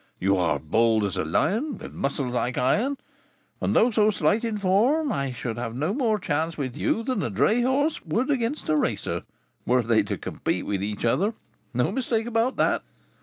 You are bold as a lion, with muscles like iron, and, though so slight in form, I should have no more chance with you than a dray horse would against a racer, were they to compete with each other. No mistake about that."